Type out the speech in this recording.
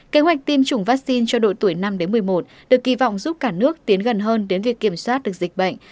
kế hoạch tiêm chủng vaccine cho độ tuổi năm một mươi một được kỳ vọng giúp cả nước tiến gần hơn đến việc kiểm soát được dịch bệnh